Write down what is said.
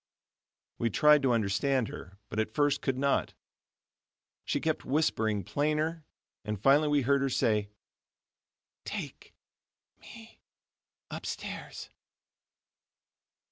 We tried to understand her, but at first could not. She kept whispering plainer, and finally we heard her say: "Take me upstairs.